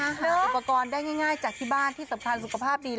อุปกรณ์ได้ง่ายจากที่บ้านที่สำคัญสุขภาพดี